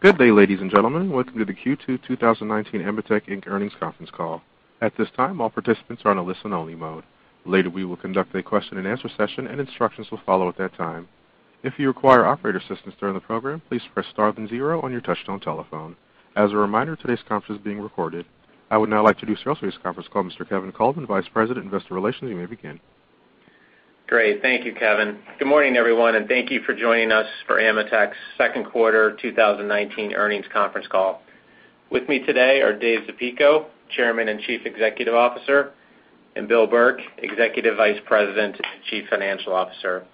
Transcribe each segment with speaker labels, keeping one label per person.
Speaker 1: Good day, ladies and gentlemen. Welcome to the Q2 2019 AMETEK Inc. Earnings Conference Call. At this time, all participants are in a listen only mode. Later, we will conduct a question and answer session. Instructions will follow at that time. If you require operator assistance during the program, please press star then zero on your touchtone telephone. As a reminder, today's conference is being recorded. I would now like to introduce here on today's conference call Mr. Kevin Coleman, Vice President of Investor Relations. You may begin.
Speaker 2: Great. Thank you, Kevin. Good morning, everyone, and thank you for joining us for AMETEK's second quarter 2019 earnings conference call. With me today are Dave Zapico, Chairman and Chief Executive Officer, and Bill Burke, Executive Vice President and Chief Financial Officer.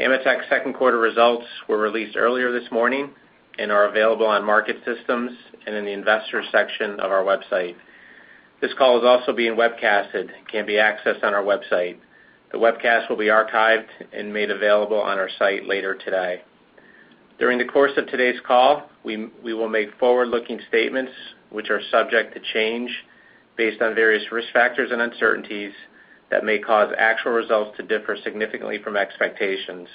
Speaker 2: AMETEK's second quarter results were released earlier this morning and are available on market systems and in the investor section of our website. This call is also being webcasted, can be accessed on our website. The webcast will be archived and made available on our site later today. During the course of today's call, we will make forward-looking statements which are subject to change based on various risk factors and uncertainties that may cause actual results to differ significantly from expectations.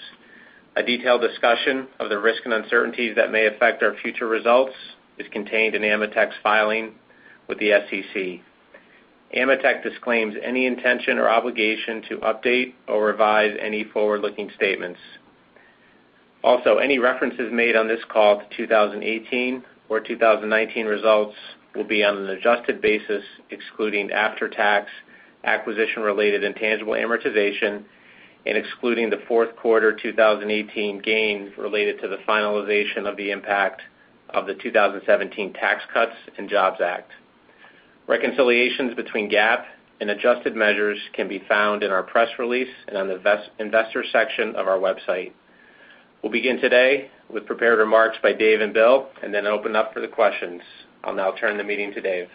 Speaker 2: A detailed discussion of the risk and uncertainties that may affect our future results is contained in AMETEK's filing with the SEC. AMETEK disclaims any intention or obligation to update or revise any forward-looking statements. Also, any references made on this call to 2018 or 2019 results will be on an adjusted basis, excluding after-tax acquisition-related intangible amortization and excluding the fourth quarter 2018 gains related to the finalization of the impact of the 2017 Tax Cuts and Jobs Act. Reconciliations between GAAP and adjusted measures can be found in our press release and on the investor section of our website. We'll begin today with prepared remarks by Dave and Bill, and then open up for the questions. I'll now turn the meeting to Dave.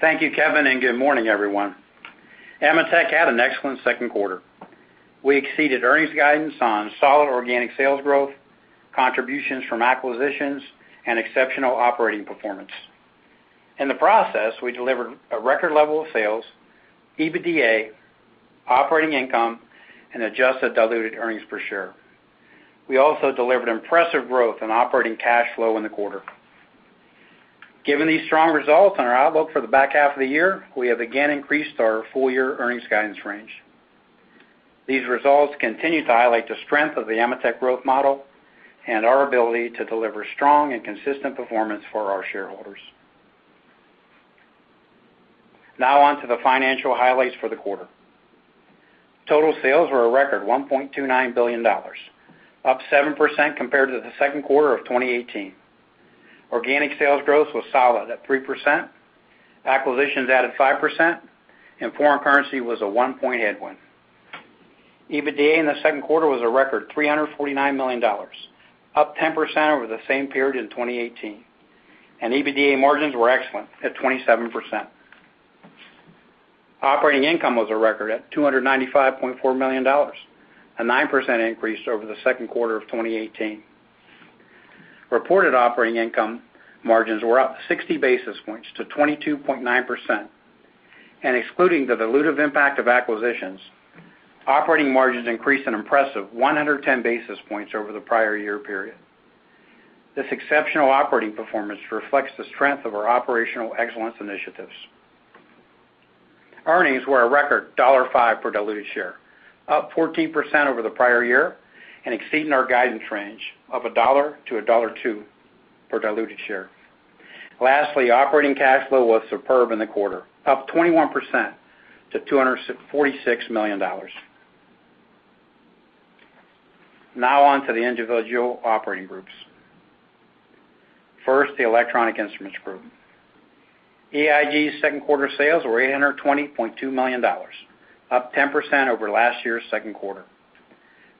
Speaker 3: Thank you, Kevin, and good morning, everyone. AMETEK had an excellent second quarter. We exceeded earnings guidance on solid organic sales growth, contributions from acquisitions, and exceptional operating performance. In the process, we delivered a record level of sales, EBITDA, operating income, and adjusted diluted earnings per share. We also delivered impressive growth on operating cash flow in the quarter. Given these strong results and our outlook for the back half of the year, we have again increased our full-year earnings guidance range. These results continue to highlight the strength of the AMETEK growth model and our ability to deliver strong and consistent performance for our shareholders. On to the financial highlights for the quarter. Total sales were a record $1.29 billion, up 7% compared to the second quarter of 2018. Organic sales growth was solid at 3%, acquisitions added 5%, foreign currency was a one-point headwind. EBITDA in the second quarter was a record $349 million, up 10% over the same period in 2018. EBITDA margins were excellent at 27%. Operating income was a record at $295.4 million, a 9% increase over the second quarter of 2018. Reported operating income margins were up 60 basis points to 22.9%. Excluding the dilutive impact of acquisitions, operating margins increased an impressive 110 basis points over the prior year period. This exceptional operating performance reflects the strength of our operational excellence initiatives. Earnings were a record $1.05 per diluted share, up 14% over the prior year, and exceeding our guidance range of $1 to $1.02 per diluted share. Lastly, operating cash flow was superb in the quarter, up 21% to $246 million. Now on to the individual operating groups. First, the Electronic Instruments Group. EIG's second quarter sales were $820.2 million, up 10% over last year's second quarter.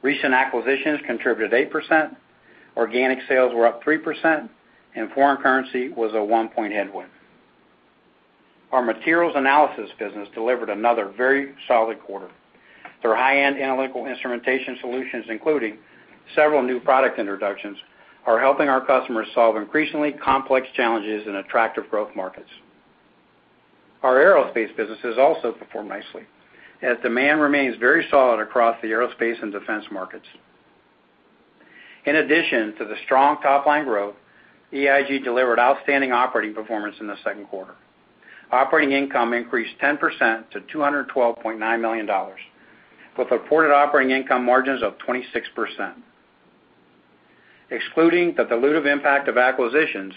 Speaker 3: Recent acquisitions contributed 8%, organic sales were up 3%, and foreign currency was a one-point headwind. Our materials analysis business delivered another very solid quarter. Their high-end analytical instrumentation solutions, including several new product introductions, are helping our customers solve increasingly complex challenges in attractive growth markets. Our aerospace businesses also performed nicely, as demand remains very solid across the aerospace and defense markets. In addition to the strong top-line growth, EIG delivered outstanding operating performance in the second quarter. Operating income increased 10% to $212.9 million, with reported operating income margins of 26%. Excluding the dilutive impact of acquisitions,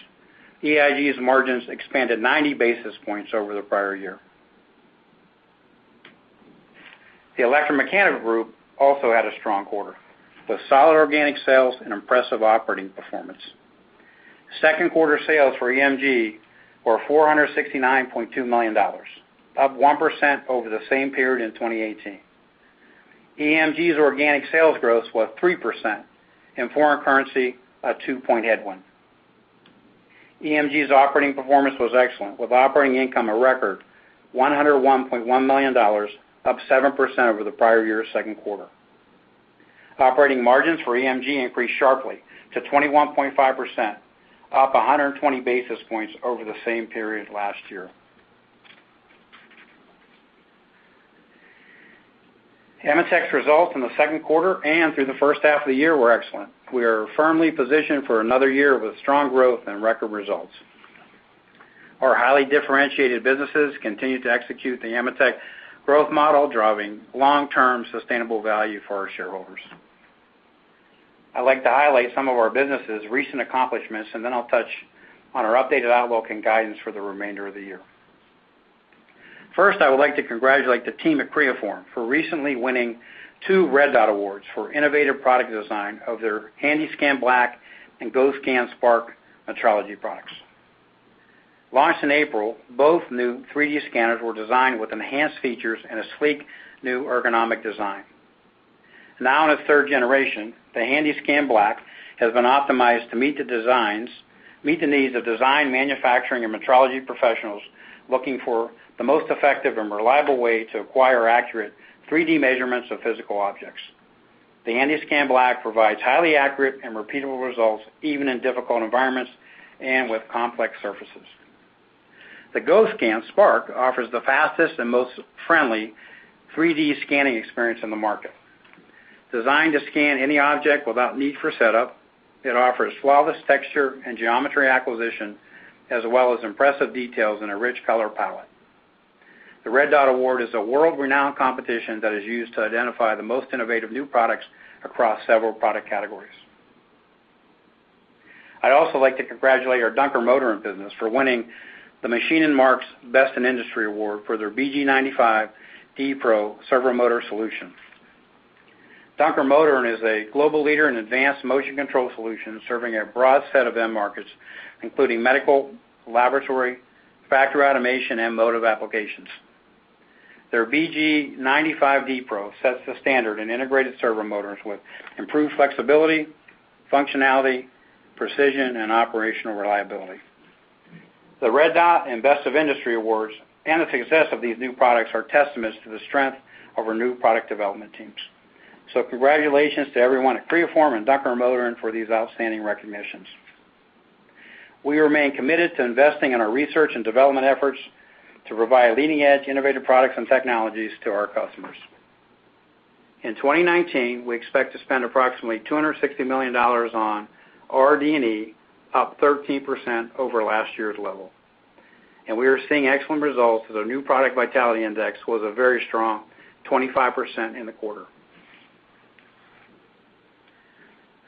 Speaker 3: EIG's margins expanded 90 basis points over the prior year. The Electromechanical Group also had a strong quarter, with solid organic sales and impressive operating performance. Second quarter sales for EMG were $469.2 million, up 1% over the same period in 2018. EMG's organic sales growth was 3%, and foreign currency a two-point headwind. EMG's operating performance was excellent, with operating income a record $101.1 million, up 7% over the prior year's second quarter. Operating margins for EMG increased sharply to 21.5%, up 120 basis points over the same period last year. AMETEK's results in the second quarter and through the first half of the year were excellent. We are firmly positioned for another year with strong growth and record results. Our highly differentiated businesses continue to execute the AMETEK growth model, driving long-term sustainable value for our shareholders. I'd like to highlight some of our business' recent accomplishments, and then I'll touch on our updated outlook and guidance for the remainder of the year. First, I would like to congratulate the team at Creaform for recently winning two Red Dot awards for innovative product design of their HandySCAN Black and Go! SCAN SPARK metrology products. Launched in April, both new 3D scanners were designed with enhanced features and a sleek, new ergonomic design. Now in its third generation, the HandySCAN Black has been optimized to meet the needs of design, manufacturing, and metrology professionals looking for the most effective and reliable way to acquire accurate 3D measurements of physical objects. The HandySCAN Black provides highly accurate and repeatable results, even in difficult environments and with complex surfaces. The Go! SCAN SPARK offers the fastest and most friendly 3D scanning experience on the market. Designed to scan any object without need for setup, it offers flawless texture and geometry acquisition, as well as impressive details in a rich color palette. The Red Dot Award is a world-renowned competition that is used to identify the most innovative new products across several product categories. I'd also like to congratulate our Dunkermotoren business for winning the Maschinenmarkt Best of Industry Award for their VG95D Pro Servo Motor solution. Dunkermotoren is a global leader in advanced motion control solutions, serving a broad set of end markets, including medical, laboratory, factory automation, and motive applications. Their VG95D Pro sets the standard in integrated servo motors with improved flexibility, functionality, precision, and operational reliability. The Red Dot and Best of Industry Awards, and the success of these new products, are testaments to the strength of our new product development teams. Congratulations to everyone at Creaform and Dunkermotoren for these outstanding recognitions. We remain committed to investing in our research and development efforts to provide leading-edge innovative products and technologies to our customers. In 2019, we expect to spend approximately $260 million on RD&E, up 13% over last year's level, and we are seeing excellent results as our new product vitality index was a very strong 25% in the quarter.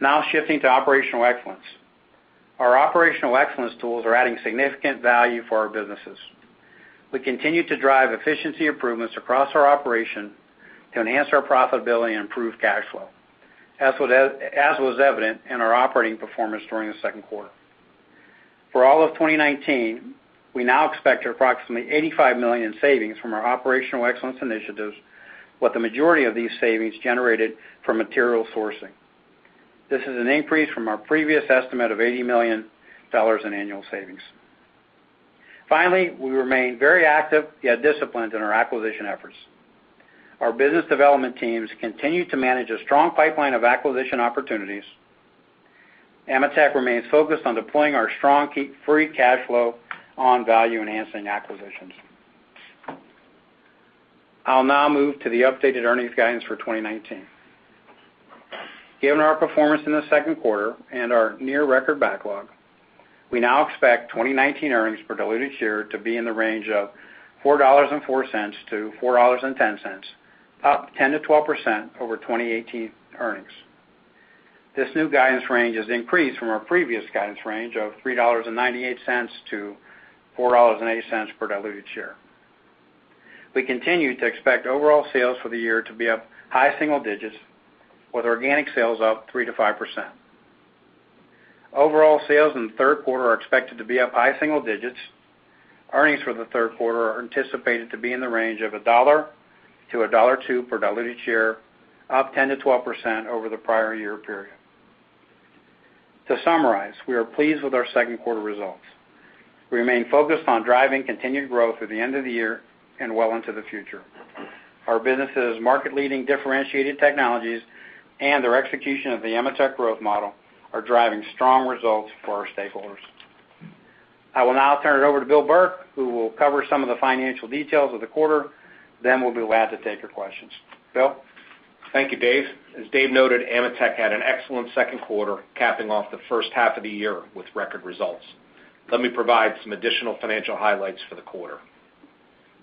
Speaker 3: Now shifting to operational excellence. Our operational excellence tools are adding significant value for our businesses. We continue to drive efficiency improvements across our operation to enhance our profitability and improve cash flow, as was evident in our operating performance during the second quarter. For all of 2019, we now expect approximately $85 million in savings from our operational excellence initiatives, with the majority of these savings generated from material sourcing. This is an increase from our previous estimate of $80 million in annual savings. Finally, we remain very active, yet disciplined in our acquisition efforts. Our business development teams continue to manage a strong pipeline of acquisition opportunities. AMETEK remains focused on deploying our strong free cash flow on value-enhancing acquisitions. I'll now move to the updated earnings guidance for 2019. Given our performance in the second quarter and our near-record backlog, we now expect 2019 earnings per diluted share to be in the range of $4.04-$4.10, up 10%-12% over 2018 earnings. This new guidance range is increased from our previous guidance range of $3.98-$4.08 per diluted share. We continue to expect overall sales for the year to be up high single digits, with organic sales up 3%-5%. Overall sales in the third quarter are expected to be up high single digits. Earnings for the third quarter are anticipated to be in the range of $1.00-$1.02 per diluted share, up 10%-12% over the prior year period. To summarize, we are pleased with our second quarter results. We remain focused on driving continued growth through the end of the year and well into the future. Our business' market-leading differentiated technologies and their execution of the AMETEK growth model are driving strong results for our stakeholders. I will now turn it over to Bill Burke, who will cover some of the financial details of the quarter, then we'll be glad to take your questions. Bill?
Speaker 4: Thank you, Dave. As Dave noted, AMETEK had an excellent second quarter, capping off the first half of the year with record results. Let me provide some additional financial highlights for the quarter.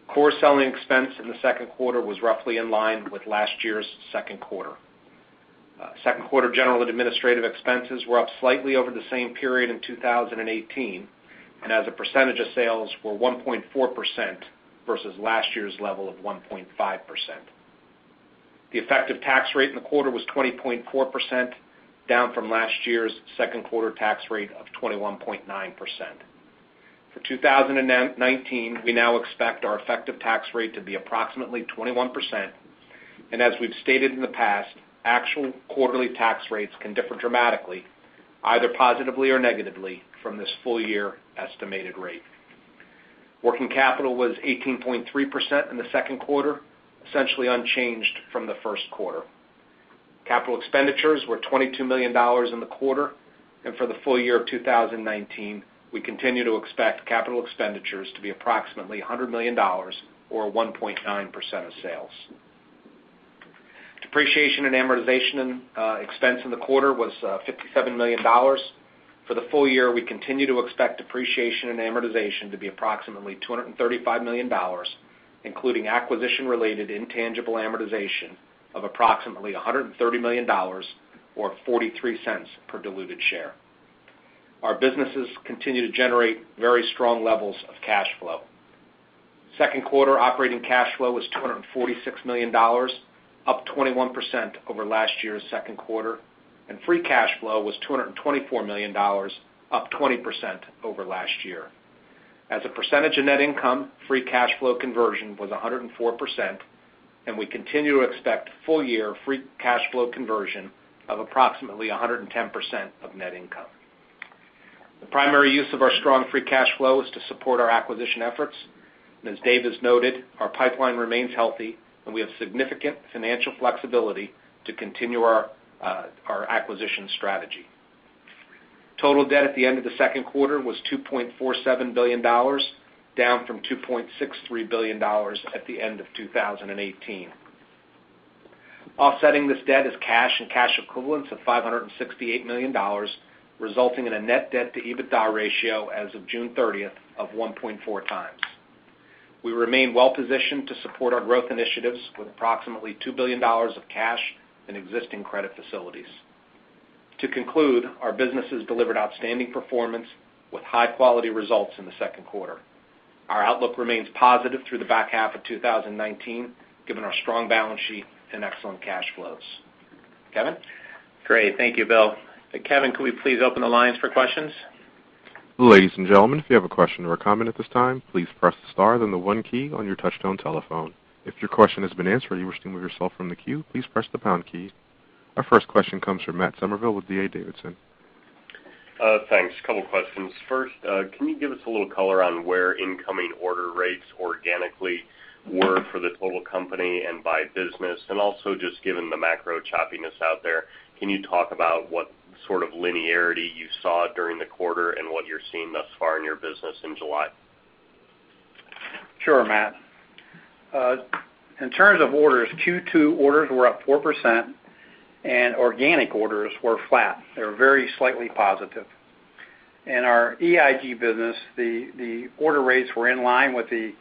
Speaker 4: Core selling expense in the second quarter was roughly in line with last year's second quarter. Second quarter general and administrative expenses were up slightly over the same period in 2018, and as a percentage of sales were 1.4% versus last year's level of 1.5%. The effective tax rate in the quarter was 20.4%, down from last year's second quarter tax rate of 21.9%. For 2019, we now expect our effective tax rate to be approximately 21%, and as we've stated in the past, actual quarterly tax rates can differ dramatically, either positively or negatively, from this full year estimated rate. Working capital was 18.3% in the second quarter, essentially unchanged from the first quarter. Capital expenditures were $22 million in the quarter, and for the full year of 2019, we continue to expect capital expenditures to be approximately $100 million or 1.9% of sales. Depreciation and amortization expense in the quarter was $57 million. For the full year, we continue to expect depreciation and amortization to be approximately $235 million, including acquisition-related intangible amortization of approximately $130 million or $0.43 per diluted share. Our businesses continue to generate very strong levels of cash flow. Second quarter operating cash flow was $246 million, up 21% over last year's second quarter, and free cash flow was $224 million, up 20% over last year. As a percentage of net income, free cash flow conversion was 104%, and we continue to expect full-year free cash flow conversion of approximately 110% of net income. The primary use of our strong free cash flow is to support our acquisition efforts. As Dave has noted, our pipeline remains healthy, and we have significant financial flexibility to continue our acquisition strategy. Total debt at the end of the second quarter was $2.47 billion, down from $2.63 billion at the end of 2018. Offsetting this debt is cash and cash equivalents of $568 million, resulting in a net debt to EBITDA ratio as of June 30th of 1.4 times. We remain well-positioned to support our growth initiatives with approximately $2 billion of cash in existing credit facilities. To conclude, our business has delivered outstanding performance with high-quality results in the second quarter. Our outlook remains positive through the back half of 2019, given our strong balance sheet and excellent cash flows. Kevin?
Speaker 2: Great. Thank you, Bill. Kevin, could we please open the lines for questions?
Speaker 1: Ladies and gentlemen, if you have a question or a comment at this time, please press the star, then the one key on your touchtone telephone. If your question has been answered or you wish to remove yourself from the queue, please press the pound key. Our first question comes from Matt Summerville with D.A. Davidson.
Speaker 5: Thanks. Couple of questions. First, can you give us a little color on where incoming order rates organically were for the total company and by business? Also just given the macro choppiness out there, can you talk about what sort of linearity you saw during the quarter and what you're seeing thus far in your business in July?
Speaker 3: Sure, Matt. In terms of orders, Q2 orders were up 4%. Organic orders were flat. They were very slightly positive. In our EIG business, the order rates were in line with the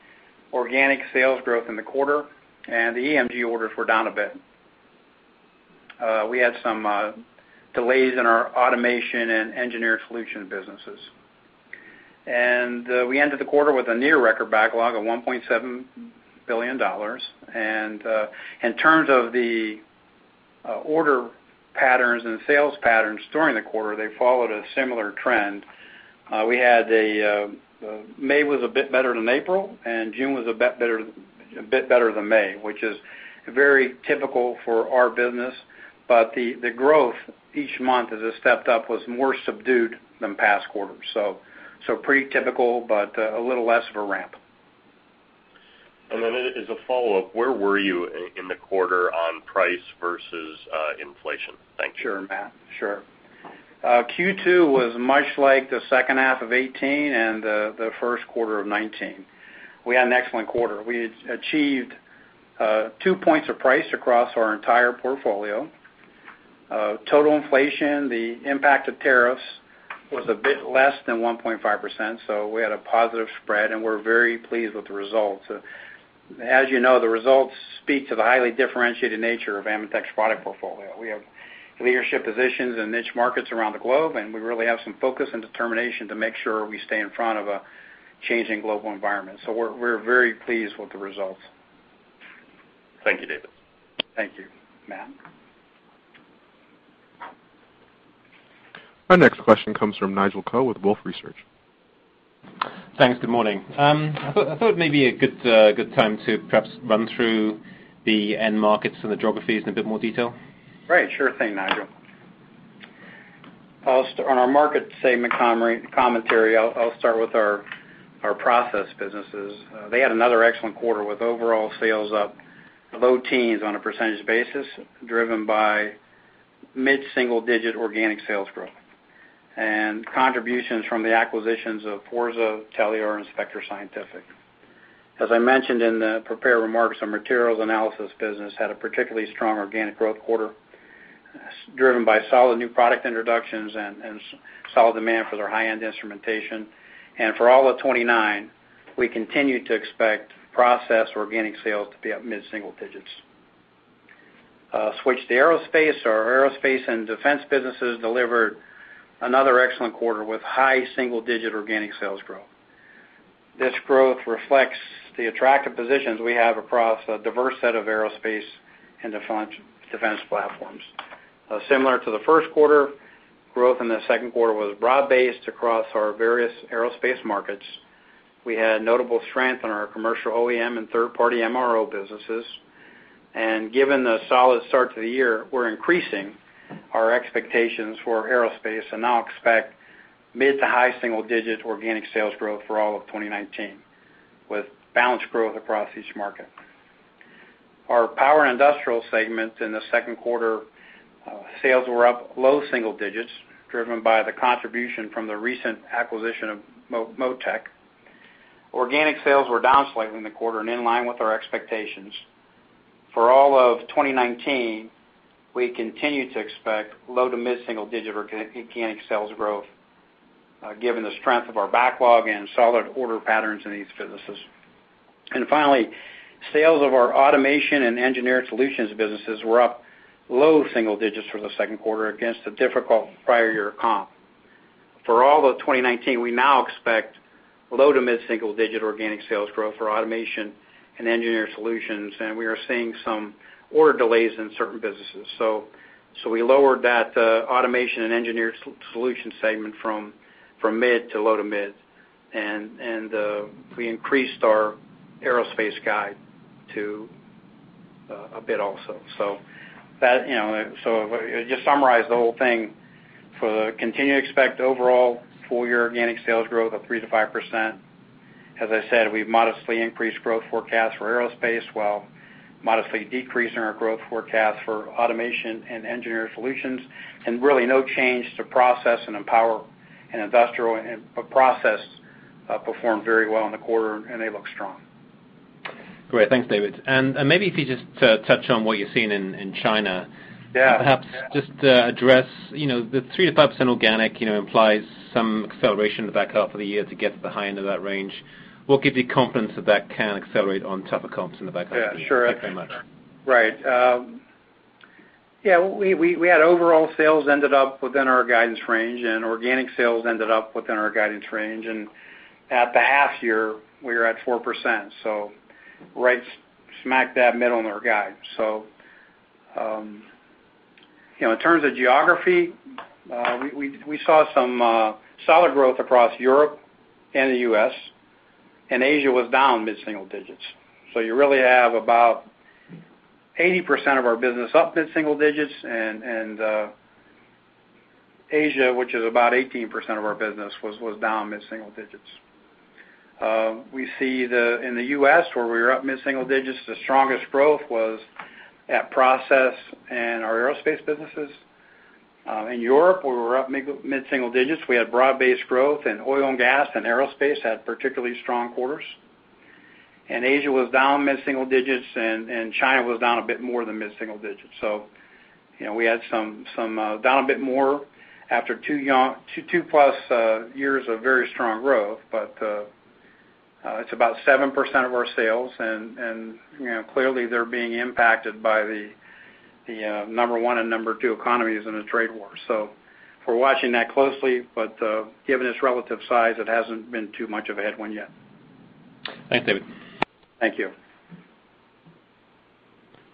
Speaker 3: organic sales growth in the quarter. The EMG orders were down a bit. We had some delays in our automation and engineered solution businesses. We ended the quarter with a near record backlog of $1.7 billion. In terms of the order patterns and sales patterns during the quarter, they followed a similar trend. May was a bit better than April. June was a bit better than May, which is very typical for our business. The growth each month as it stepped up was more subdued than past quarters. Pretty typical, a little less of a ramp.
Speaker 5: As a follow-up, where were you in the quarter on price versus inflation? Thank you.
Speaker 3: Sure, Matt. Sure. Q2 was much like the second half of 2018 and the first quarter of 2019. We had an excellent quarter. We achieved two points of price across our entire portfolio. Total inflation, the impact of tariffs was a bit less than 1.5%, we had a positive spread, and we're very pleased with the results. As you know, the results speak to the highly differentiated nature of AMETEK's product portfolio. We have leadership positions in niche markets around the globe, and we really have some focus and determination to make sure we stay in front of a changing global environment. We're very pleased with the results.
Speaker 5: Thank you, Dave.
Speaker 3: Thank you, Matt.
Speaker 1: Our next question comes from Nigel Coe with Wolfe Research.
Speaker 6: Thanks. Good morning. I thought it may be a good time to perhaps run through the end markets and the geographies in a bit more detail.
Speaker 3: Right. Sure thing, Nigel. On our market segment commentary, I'll start with our process businesses. They had another excellent quarter with overall sales up low teens on a percentage basis, driven by mid-single-digit organic sales growth and contributions from the acquisitions of Forza, Telular, and Spectro Scientific. As I mentioned in the prepared remarks, our materials analysis business had a particularly strong organic growth quarter, driven by solid new product introductions and solid demand for their high-end instrumentation. For all of '19, we continue to expect process organic sales to be up mid-single digits. Switch to aerospace. Our aerospace and defense businesses delivered another excellent quarter with high single-digit organic sales growth. This growth reflects the attractive positions we have across a diverse set of aerospace and defense platforms. Similar to the first quarter, growth in the second quarter was broad-based across our various aerospace markets.
Speaker 4: We had notable strength in our commercial OEM and third-party MRO businesses. Given the solid start to the year, we're increasing our expectations for aerospace and now expect mid to high single-digit organic sales growth for all of 2019.
Speaker 3: With balanced growth across each market. Our power and industrial segments in the second quarter, sales were up low single digits, driven by the contribution from the recent acquisition of Motec. Organic sales were down slightly in the quarter and in line with our expectations. For all of 2019, we continue to expect low to mid-single-digit organic sales growth, given the strength of our backlog and solid order patterns in these businesses. Finally, sales of our automation and engineered solutions businesses were up low single digits for the second quarter against a difficult prior year comp. For all of 2019, we now expect low to mid-single-digit organic sales growth for automation and engineered solutions, and we are seeing some order delays in certain businesses. We lowered that automation and engineered solutions segment from mid to low to mid, and we increased our aerospace guide a bit also. Just summarize the whole thing, for the continuing expect overall full-year organic sales growth of 3%-5%. As I said, we've modestly increased growth forecast for aerospace while modestly decreasing our growth forecast for automation and engineered solutions, and really no change to process and industrial. Process performed very well in the quarter, and they look strong.
Speaker 6: Great. Thanks, Dave. Maybe if you just touch on what you're seeing in China.
Speaker 3: Yeah.
Speaker 6: Perhaps just address the 3% to 5% organic implies some acceleration in the back half of the year to get to the high end of that range. What gives you confidence that can accelerate on tougher comps in the back half of the year?
Speaker 3: Yeah, sure.
Speaker 6: Thanks so much.
Speaker 3: Right. Yeah, we had overall sales ended up within our guidance range. Organic sales ended up within our guidance range. At the half year, we are at 4%, so right smack dab middle in our guide. In terms of geography, we saw some solid growth across Europe and the U.S. Asia was down mid-single digits. You really have about 80% of our business up mid-single digits. Asia, which is about 18% of our business, was down mid-single digits. We see in the U.S., where we were up mid-single digits, the strongest growth was at process and our aerospace businesses. In Europe, where we were up mid-single digits, we had broad-based growth in oil and gas. Aerospace had particularly strong quarters. Asia was down mid-single digits, and China was down a bit more than mid-single digits. We had some down a bit more after two plus years of very strong growth. It's about 7% of our sales, and clearly, they're being impacted by the number 1 and number 2 economies in a trade war. We're watching that closely, but given its relative size, it hasn't been too much of a headwind yet.
Speaker 6: Thanks, Dave.
Speaker 3: Thank you.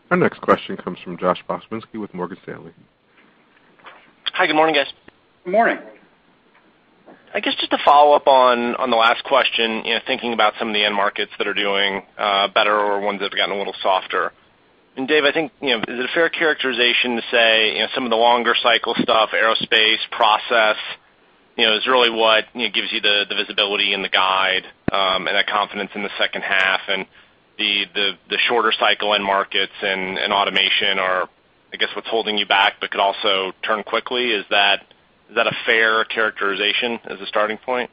Speaker 1: Our next question comes from Josh Pokrzywinski with Morgan Stanley.
Speaker 7: Hi, good morning, guys.
Speaker 3: Good morning.
Speaker 7: I guess, just to follow up on the last question, thinking about some of the end markets that are doing better or ones that have gotten a little softer. Dave, I think, is it a fair characterization to say some of the longer cycle stuff, aerospace, process, is really what gives you the visibility and the guide, and that confidence in the second half. The shorter cycle end markets and automation are, I guess, what's holding you back but could also turn quickly. Is that a fair characterization as a starting point?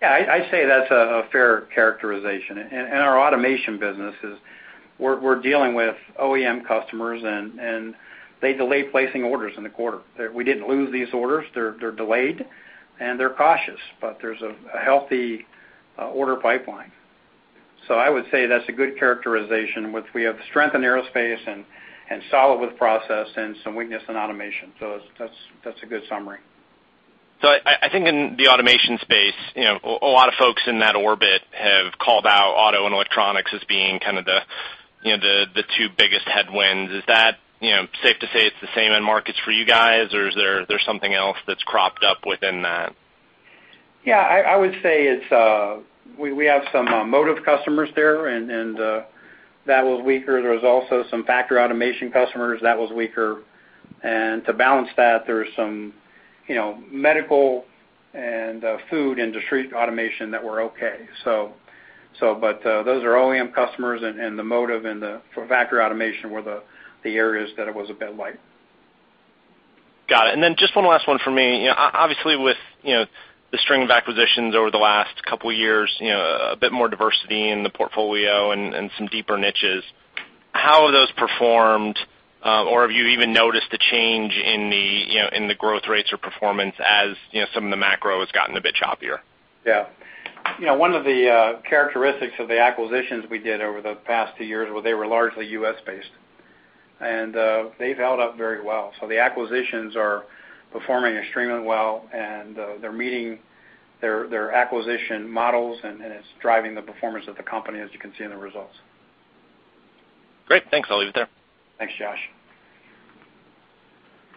Speaker 3: Yeah, I'd say that's a fair characterization. In our automation businesses, we're dealing with OEM customers, and they delay placing orders in the quarter. We didn't lose these orders. They're delayed, and they're cautious, but there's a healthy order pipeline. I would say that's a good characterization, which we have strength in aerospace and solid with process and some weakness in automation. That's a good summary.
Speaker 7: I think in the automation space, a lot of folks in that orbit have called out auto and electronics as being kind of the two biggest headwinds. Is that safe to say it's the same end markets for you guys, or is there something else that's cropped up within that?
Speaker 3: Yeah, I would say we have some Motec customers there, and that was weaker. There was also some factory automation customers that was weaker. To balance that, there's some medical and food industry automation that were okay. Those are OEM customers, and the Motec and the factory automation were the areas that it was a bit light.
Speaker 7: Got it. Just one last one for me. Obviously, with the string of acquisitions over the last couple of years, a bit more diversity in the portfolio and some deeper niches. How have those performed or have you even noticed a change in the growth rates or performance as some of the macro has gotten a bit choppier?
Speaker 3: Yeah. One of the characteristics of the acquisitions we did over the past two years were they were largely U.S.-based. They've held up very well. The acquisitions are performing extremely well, and they're meeting their acquisition models, and it's driving the performance of the company, as you can see in the results.
Speaker 7: Great. Thanks. I'll leave it there.
Speaker 3: Thanks, Josh.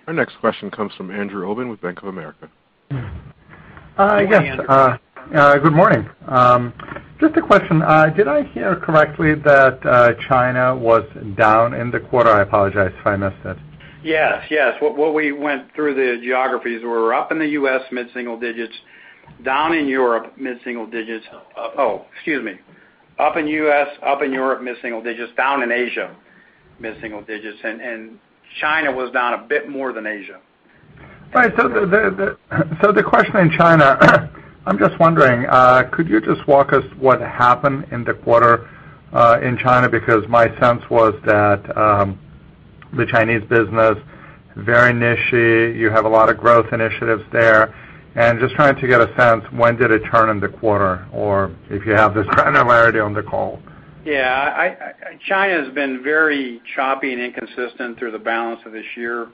Speaker 1: Our next question comes from Andrew Obin with Bank of America.
Speaker 3: Go ahead, Andrew.
Speaker 8: Good morning. Just a question. Did I hear correctly that China was down in the quarter? I apologize if I missed it.
Speaker 3: Yes. What we went through the geographies were up in the U.S., mid-single digits, down in Europe, mid-single digits. Oh, excuse me. Up in U.S., up in Europe, mid-single digits, down in Asia, mid-single digits. China was down a bit more than Asia.
Speaker 8: Right. The question in China, I'm just wondering, could you just walk us what happened in the quarter in China? My sense was that the Chinese business, very nichey, you have a lot of growth initiatives there. Just trying to get a sense, when did it turn in the quarter? If you have the granularity on the call.
Speaker 3: China's been very choppy and inconsistent through the balance of this year.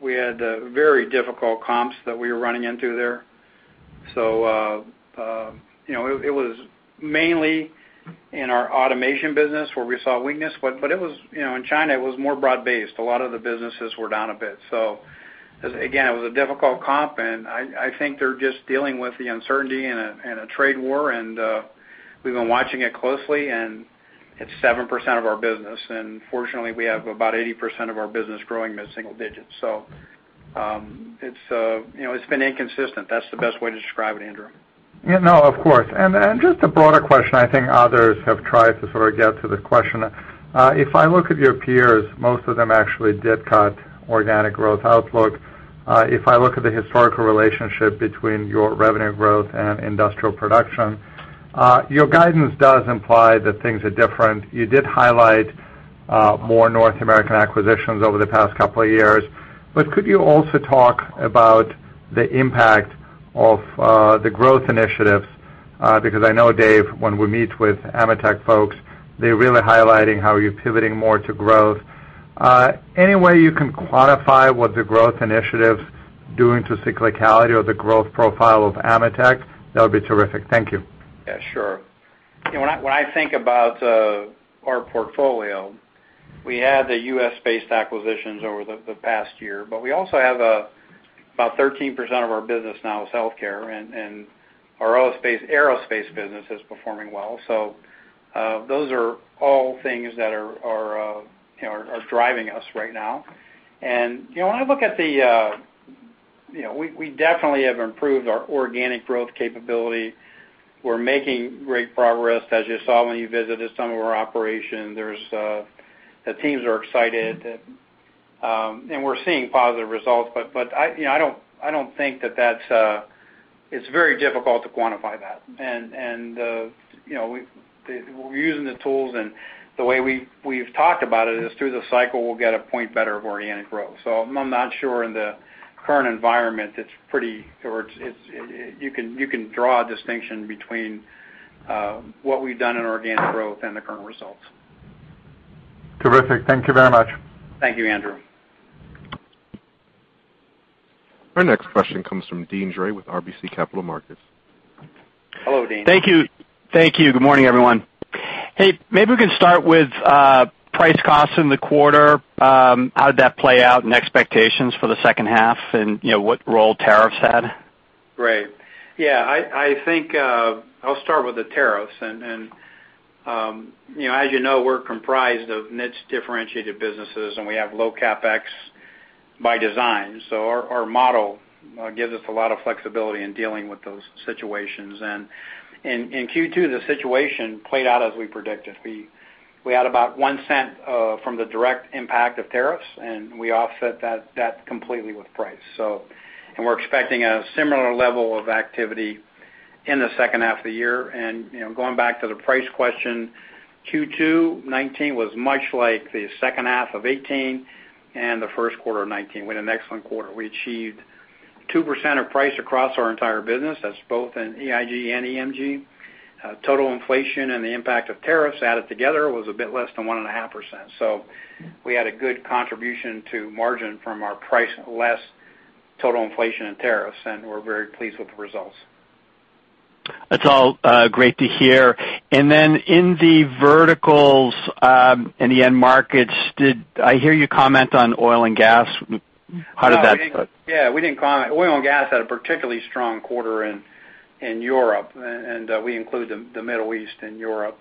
Speaker 3: It was mainly in our automation business where we saw weakness, in China, it was more broad-based. A lot of the businesses were down a bit. Again, it was a difficult comp, I think they're just dealing with the uncertainty in a trade war, we've been watching it closely, it's 7% of our business. Fortunately, we have about 80% of our business growing mid-single digits. It's been inconsistent. That's the best way to describe it, Andrew.
Speaker 8: Yeah, no, of course. Just a broader question, I think others have tried to sort of get to the question. If I look at your peers, most of them actually did cut organic growth outlook. If I look at the historical relationship between your revenue growth and industrial production, your guidance does imply that things are different. You did highlight more North American acquisitions over the past couple of years, but could you also talk about the impact of the growth initiatives? I know, Dave, when we meet with AMETEK folks, they're really highlighting how you're pivoting more to growth. Any way you can quantify what the growth initiatives doing to cyclicality or the growth profile of AMETEK, that would be terrific. Thank you.
Speaker 3: Yeah, sure. When I think about our portfolio, we had the U.S.-based acquisitions over the past year, but we also have about 13% of our business now is healthcare, and our aerospace business is performing well. Those are all things that are driving us right now. We definitely have improved our organic growth capability. We're making great progress, as you saw when you visited some of our operations. The teams are excited, we're seeing positive results. I don't think that it's very difficult to quantify that. We're using the tools, the way we've talked about it is through the cycle, we'll get one point better of organic growth. I'm not sure in the current environment, you can draw a distinction between what we've done in organic growth and the current results.
Speaker 8: Terrific. Thank you very much.
Speaker 3: Thank you, Andrew.
Speaker 1: Our next question comes from Deane Dray with RBC Capital Markets.
Speaker 3: Hello, Deane.
Speaker 9: Thank you. Good morning, everyone. Hey, maybe we can start with price costs in the quarter. How did that play out and expectations for the second half, and what role tariffs had?
Speaker 3: Right. Yeah, I think I'll start with the tariffs. As you know, we're comprised of niche differentiated businesses, and we have low CapEx by design. Our model gives us a lot of flexibility in dealing with those situations. In Q2, the situation played out as we predicted. We had about $0.01 from the direct impact of tariffs, and we offset that completely with price. We're expecting a similar level of activity in the second half of the year. Going back to the price question, Q2 2019 was much like the second half of 2018 and the first quarter of 2019. We had an excellent quarter. We achieved 2% of price across our entire business. That's both in EIG and EMG. Total inflation and the impact of tariffs added together was a bit less than 1.5%. We had a good contribution to margin from our price, less total inflation and tariffs, and we're very pleased with the results.
Speaker 9: That's all great to hear. Then in the verticals, in the end markets, I hear you comment on oil and gas. How did that put?
Speaker 3: Yeah, we didn't comment. Oil and gas had a particularly strong quarter in Europe, and we include the Middle East and Europe.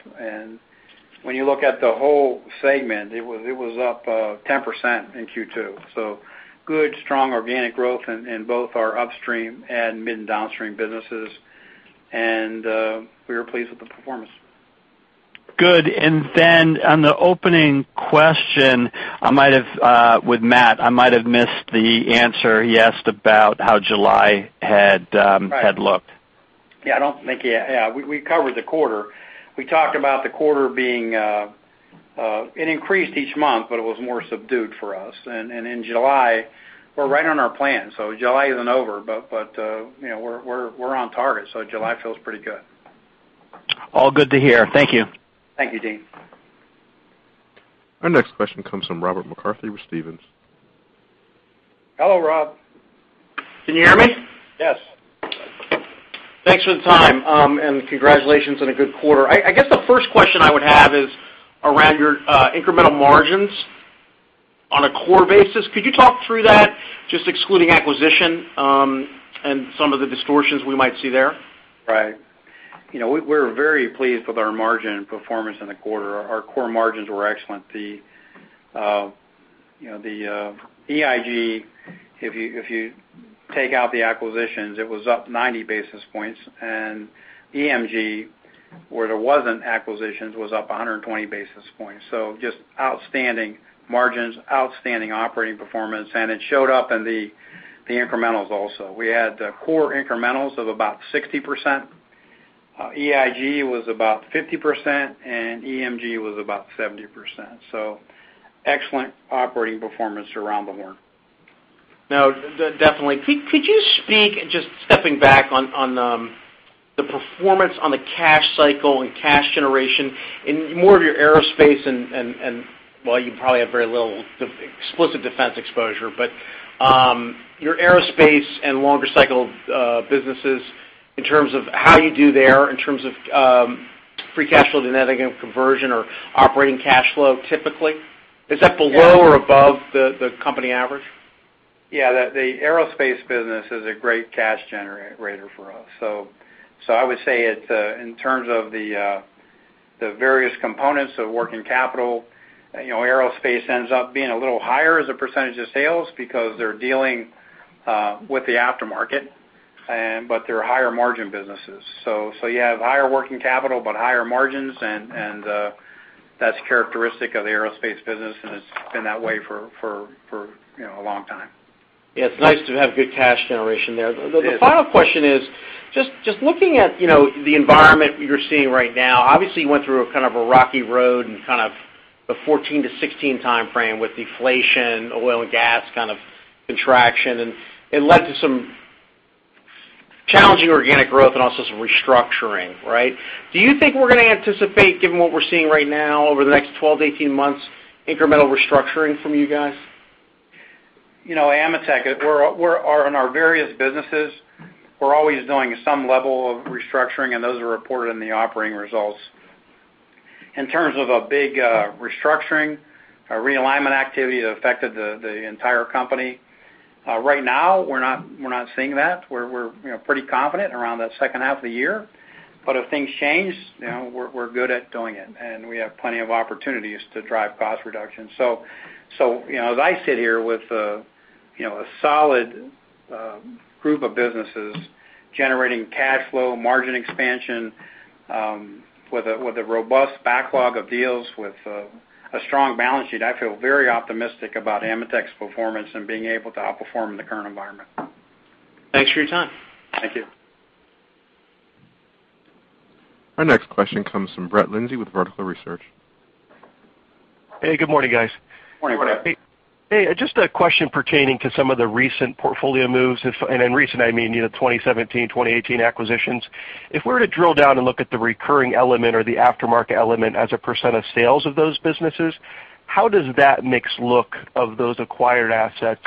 Speaker 3: When you look at the whole segment, it was up 10% in Q2. Good, strong organic growth in both our upstream and mid and downstream businesses, and we were pleased with the performance.
Speaker 9: Good. On the opening question, with Matt, I might have missed the answer. He asked about how July had looked.
Speaker 3: Yeah, we covered the quarter. We talked about the quarter being, it increased each month, but it was more subdued for us. In July, we're right on our plan. July isn't over, but we're on target, so July feels pretty good.
Speaker 9: All good to hear. Thank you.
Speaker 3: Thank you, Deane.
Speaker 1: Our next question comes from Robert McCarthy with Stephens.
Speaker 3: Hello, Rob. Can you hear me?
Speaker 10: Yes. Thanks for the time. Congratulations on a good quarter. I guess the first question I would have is around your incremental margins on a core basis, could you talk through that, just excluding acquisition, and some of the distortions we might see there?
Speaker 3: We're very pleased with our margin performance in the quarter. Our core margins were excellent. The EIG, if you take out the acquisitions, it was up 90 basis points, and EMG, where there wasn't acquisitions, was up 120 basis points. Just outstanding margins, outstanding operating performance, and it showed up in the incrementals also. We had core incrementals of about 60%. EIG was about 50%, and EMG was about 70%. Excellent operating performance around the board.
Speaker 10: Definitely. Could you speak, just stepping back, on the performance on the cash cycle and cash generation in more of your aerospace and, well, you probably have very little explicit defense exposure, but your aerospace and longer cycle businesses in terms of how you do there, in terms of free cash flow conversion or operating cash flow typically? Is that below or above the company average?
Speaker 3: The aerospace business is a great cash generator for us. I would say in terms of the various components of working capital, aerospace ends up being a little higher as a percentage of sales because they're dealing with the aftermarket. They're higher margin businesses. You have higher working capital, but higher margins, and that's characteristic of the aerospace business, and it's been that way for a long time.
Speaker 10: Yeah. It's nice to have good cash generation there.
Speaker 3: It is.
Speaker 10: The final question is, just looking at the environment you're seeing right now, obviously you went through a kind of a rocky road in kind of the 2014 to 2016 timeframe with deflation, oil and gas kind of contraction, and it led to some challenging organic growth and also some restructuring, right? Do you think we're going to anticipate, given what we're seeing right now, over the next 12 to 18 months, incremental restructuring from you guys?
Speaker 3: AMETEK, in our various businesses, we're always doing some level of restructuring, and those are reported in the operating results. In terms of a big restructuring, a realignment activity that affected the entire company, right now, we're not seeing that. We're pretty confident around that second half of the year. If things change, we're good at doing it, and we have plenty of opportunities to drive cost reduction. As I sit here with a solid group of businesses generating cash flow, margin expansion, with a robust backlog of deals, with a strong balance sheet, I feel very optimistic about AMETEK's performance and being able to outperform in the current environment.
Speaker 10: Thanks for your time.
Speaker 3: Thank you.
Speaker 1: Our next question comes from Brett Linzey with Vertical Research.
Speaker 11: Hey, good morning, guys.
Speaker 3: Morning, Brett.
Speaker 11: Hey, just a question pertaining to some of the recent portfolio moves, and in recent, I mean 2017, 2018 acquisitions. If we were to drill down and look at the recurring element or the aftermarket element as a % of sales of those businesses, how does that mix look of those acquired assets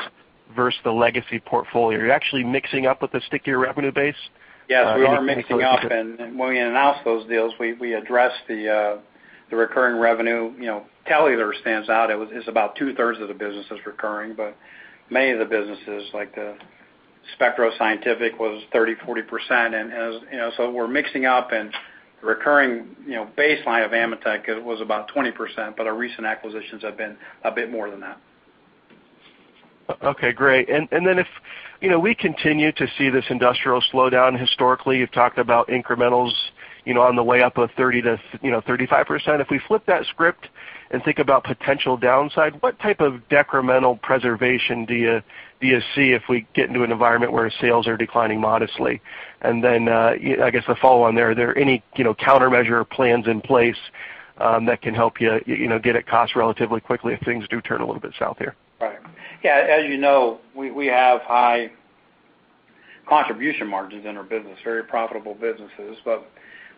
Speaker 11: versus the legacy portfolio? Are you actually mixing up with the stickier revenue base?
Speaker 3: Yes, we are mixing up, and when we announced those deals, we addressed the recurring revenue. Telular stands out. It's about two-thirds of the business is recurring, but many of the businesses, like the Spectro Scientific was 30, 40%. We're mixing up and recurring baseline of AMETEK was about 20%, but our recent acquisitions have been a bit more than that.
Speaker 11: Okay, great. If we continue to see this industrial slowdown historically, you've talked about incrementals on the way up of 30% to 35%. If we flip that script and think about potential downside, what type of decremental preservation do you see if we get into an environment where sales are declining modestly? I guess the follow on there, are there any countermeasure plans in place that can help you get at cost relatively quickly if things do turn a little bit south here?
Speaker 3: Right. Yeah, as you know, we have high contribution margins in our business, very profitable businesses.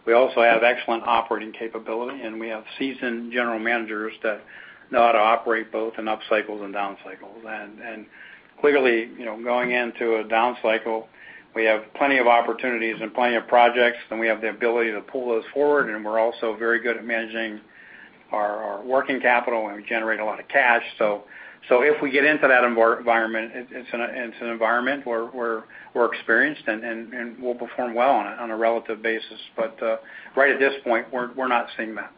Speaker 3: We also have excellent operating capability. We have seasoned general managers that know how to operate both in up cycles and down cycles. Clearly, going into a down cycle, we have plenty of opportunities and plenty of projects. We have the ability to pull those forward. We're also very good at managing our working capital. We generate a lot of cash. If we get into that environment, it's an environment where we're experienced and we'll perform well on a relative basis. Right at this point, we're not seeing that.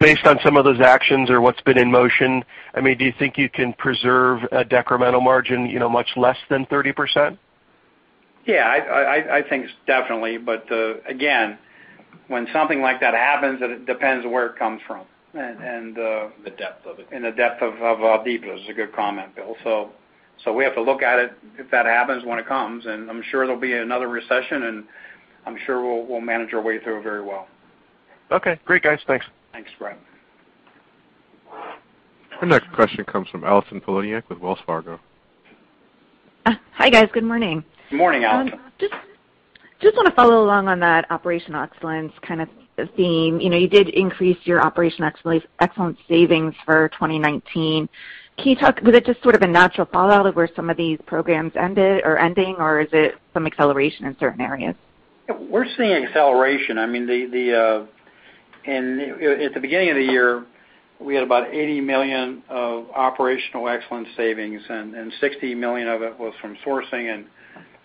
Speaker 11: Based on some of those actions or what's been in motion, do you think you can preserve a decremental margin much less than 30%?
Speaker 3: Yeah, I think definitely, but again, when something like that happens, it depends where it comes from.
Speaker 4: The depth of it.
Speaker 3: The depth of it. It's a good comment, Bill. We have to look at it if that happens, when it comes, and I'm sure there'll be another recession, and I'm sure we'll manage our way through it very well.
Speaker 11: Okay, great, guys. Thanks.
Speaker 3: Thanks, Brett.
Speaker 1: Our next question comes from Allison Poliniak with Wells Fargo.
Speaker 12: Hi, guys. Good morning.
Speaker 3: Good morning, Allison.
Speaker 12: Just want to follow along on that operational excellence kind of theme. You did increase your operational excellence savings for 2019. Was it just sort of a natural fallout of where some of these programs are ending, or is it some acceleration in certain areas?
Speaker 3: We're seeing acceleration. At the beginning of the year, we had about $80 million of operational excellence savings, and $60 million of it was from sourcing, and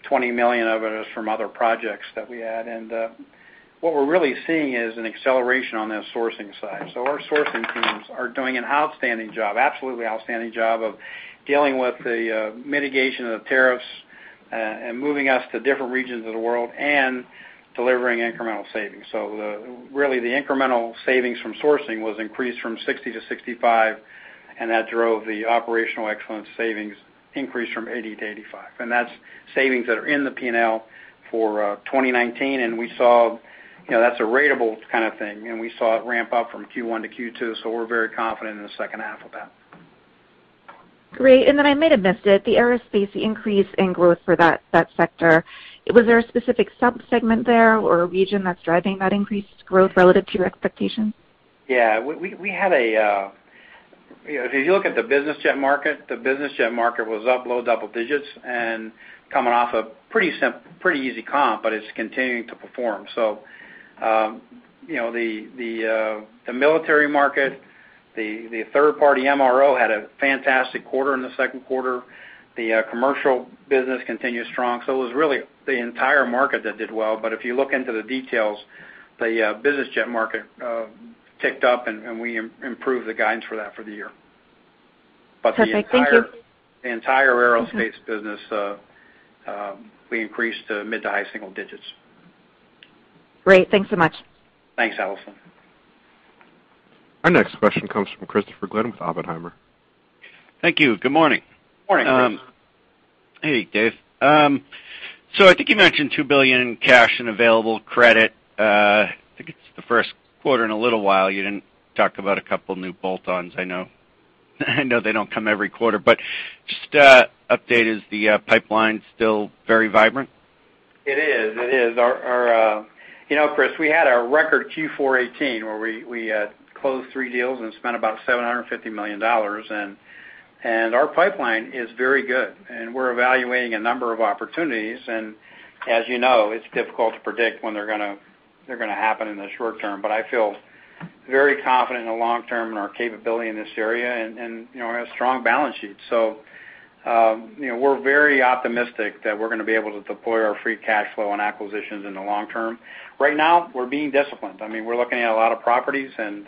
Speaker 3: $20 million of it is from other projects that we had. What we're really seeing is an acceleration on that sourcing side. Our sourcing teams are doing an outstanding job, absolutely outstanding job, of dealing with the mitigation of tariffs and moving us to different regions of the world and delivering incremental savings. Really, the incremental savings from sourcing was increased from $60 million to $65 million, and that drove the operational excellence savings increase from $80 million to $85 million. That's savings that are in the P&L for 2019. That's a ratable kind of thing. We saw it ramp up from Q1 to Q2, so we're very confident in the second half of that.
Speaker 12: Great. I may have missed it. The aerospace increase in growth for that sector, was there a specific sub-segment there or a region that's driving that increased growth relative to your expectations?
Speaker 3: Yeah. If you look at the business jet market, the business jet market was up low double digits and coming off a pretty easy comp, but it's continuing to perform. The military market, the third-party MRO had a fantastic quarter in the second quarter. The commercial business continues strong. It was really the entire market that did well. If you look into the details, the business jet market ticked up, and we improved the guidance for that for the year.
Speaker 12: Perfect. Thank you.
Speaker 3: The entire aerospace business, we increased to mid to high single digits.
Speaker 12: Great. Thanks so much.
Speaker 3: Thanks, Allison.
Speaker 1: Our next question comes from Christopher Glynn with Oppenheimer.
Speaker 13: Thank you. Good morning.
Speaker 3: Morning, Chris.
Speaker 13: Hey, Dave. I think you mentioned $2 billion in cash and available credit. I think it's the first quarter in a little while. You didn't talk about a couple of new bolt-ons. I know they don't come every quarter, just an update. Is the pipeline still very vibrant?
Speaker 3: It is. Chris, we had a record Q4 2018, where we closed three deals and spent about $750 million. Our pipeline is very good, and we're evaluating a number of opportunities. As you know, it's difficult to predict when they're going to happen in the short term. I feel very confident in the long term in our capability in this area, and we have strong balance sheets. We're very optimistic that we're going to be able to deploy our free cash flow on acquisitions in the long term. Right now, we're being disciplined. We're looking at a lot of properties, and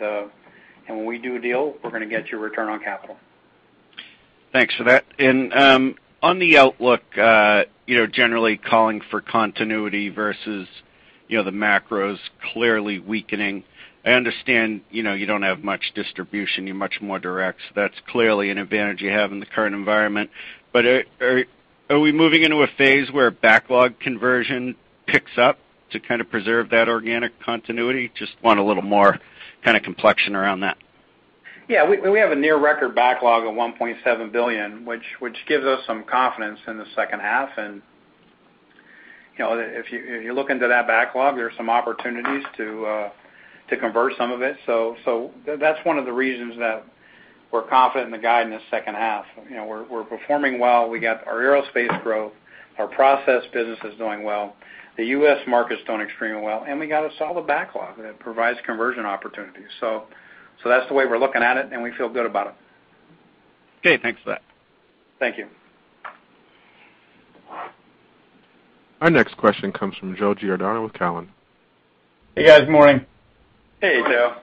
Speaker 3: when we do a deal, we're going to get you a return on capital.
Speaker 13: Thanks for that. On the outlook, generally calling for continuity versus the macros clearly weakening. I understand you don't have much distribution, you're much more direct, so that's clearly an advantage you have in the current environment. Are we moving into a phase where backlog conversion picks up to kind of preserve that organic continuity? Just want a little more kind of complexion around that.
Speaker 3: Yeah. We have a near record backlog of $1.7 billion, which gives us some confidence in the second half. If you look into that backlog, there are some opportunities to convert some of it. That's one of the reasons that we're confident in the guide in the second half. We're performing well. We got our aerospace growth. Our process business is doing well. The U.S. markets doing extremely well, and we got a solid backlog that provides conversion opportunities. That's the way we're looking at it, and we feel good about it.
Speaker 13: Okay, thanks for that.
Speaker 3: Thank you.
Speaker 1: Our next question comes from Joe Giordano with Cowen.
Speaker 14: Hey, guys. Morning.
Speaker 3: Hey, Joe.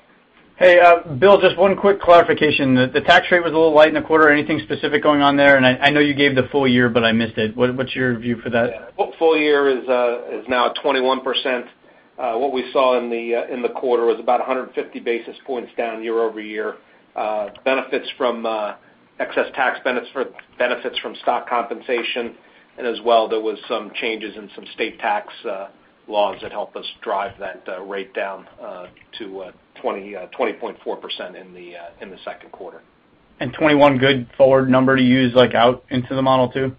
Speaker 14: Hey, Bill, just one quick clarification. The tax rate was a little light in the quarter. Anything specific going on there? I know you gave the full year, but I missed it. What's your view for that?
Speaker 4: Full year is now at 21%. What we saw in the quarter was about 150 basis points down year-over-year. Benefits from excess tax benefits from stock compensation, and as well, there was some changes in some state tax laws that helped us drive that rate down to 20.4% in the second quarter.
Speaker 14: 2021 good forward number to use, like out into the model too?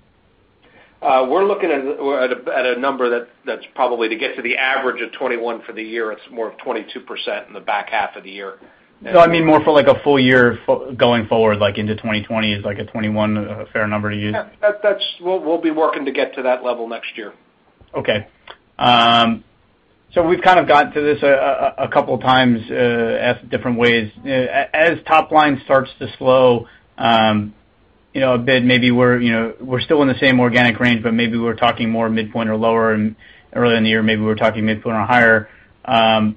Speaker 4: We're looking at a number that's probably to get to the average of 21% for the year. It's more of 22% in the back half of the year.
Speaker 14: I mean more for like a full year going forward, like into 2020 is like a 21 a fair number to use?
Speaker 4: Yeah. We'll be working to get to that level next year.
Speaker 14: Okay. We've kind of gotten to this a couple times, asked different ways. As top line starts to slow a bit, maybe we're still in the same organic range, maybe we're talking more midpoint or lower. Earlier in the year, maybe we were talking midpoint or higher.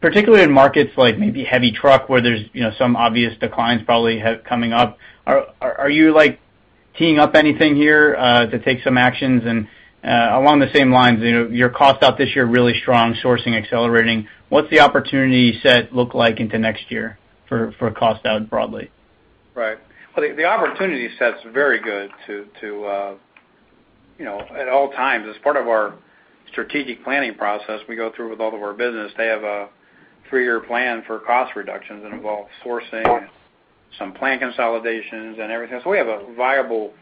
Speaker 14: Particularly in markets like maybe heavy truck, where there's some obvious declines probably coming up. Are you teeing up anything here to take some actions? Along the same lines, your cost out this year, really strong sourcing, accelerating. What's the opportunity set look like into next year for cost out broadly?
Speaker 3: Right. Well, the opportunity set's very good at all times. As part of our strategic planning process we go through with all of our business, they have a three-year plan for cost reductions that involve sourcing and some plan consolidations and everything. We have a viable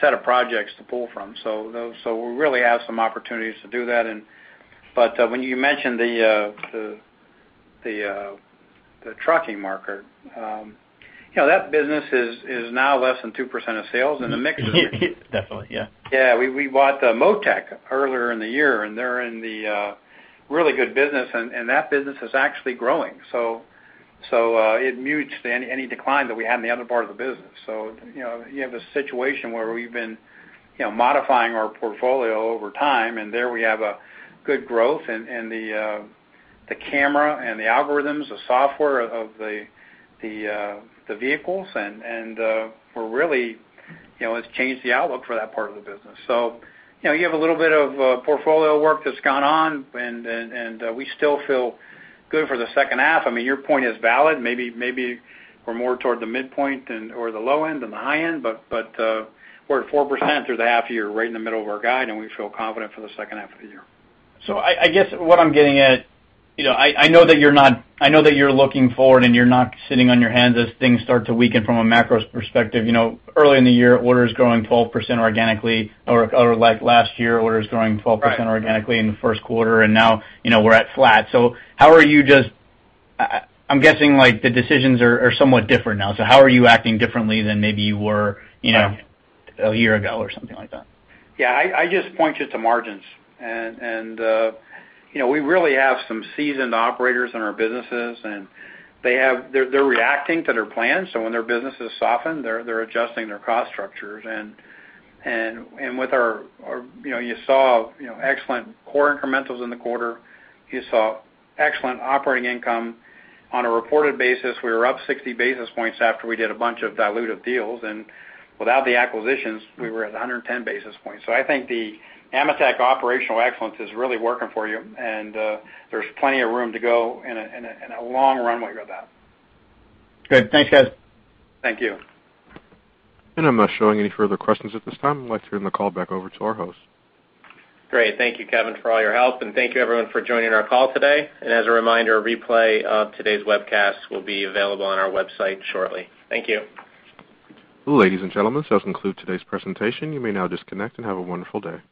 Speaker 3: set of projects to pull from. We really have some opportunities to do that. When you mentioned the trucking market. That business is now less than 2% of sales in the mix-
Speaker 14: Definitely, yeah.
Speaker 3: We bought Motec earlier in the year, and they're in the really good business, and that business is actually growing. It mutes any decline that we had in the other part of the business. You have a situation where we've been modifying our portfolio over time, and there we have a good growth in the camera and the algorithms, the software of the vehicles. It's changed the outlook for that part of the business. You have a little bit of portfolio work that's gone on, and we still feel good for the second half. Your point is valid. Maybe we're more toward the midpoint and/or the low end than the high end, but we're at 4% through the half year, right in the middle of our guide, and we feel confident for the second half of the year.
Speaker 14: I guess what I'm getting at, I know that you're looking forward and you're not sitting on your hands as things start to weaken from a macro perspective. Early in the year, orders growing 12% organically.
Speaker 3: Right
Speaker 14: organically in the first quarter, and now we're at flat. I'm guessing the decisions are somewhat different now. How are you acting differently than maybe you were?
Speaker 3: Right
Speaker 14: a year ago or something like that?
Speaker 3: Yeah. I just point you to margins. We really have some seasoned operators in our businesses, and they're reacting to their plans, so when their business has softened, they're adjusting their cost structures and you saw excellent core incrementals in the quarter. You saw excellent operating income. On a reported basis, we were up 60 basis points after we did a bunch of dilutive deals, and without the acquisitions, we were at 110 basis points. I think the AMETEK operational excellence is really working for you, and there's plenty of room to go and a long runway with that.
Speaker 14: Good. Thanks, guys.
Speaker 3: Thank you.
Speaker 1: I'm not showing any further questions at this time. I'd like to turn the call back over to our host.
Speaker 2: Great. Thank you, Kevin, for all your help, and thank you everyone for joining our call today. As a reminder, a replay of today's webcast will be available on our website shortly. Thank you.
Speaker 1: Ladies and gentlemen, this does conclude today's presentation. You may now disconnect, and have a wonderful day.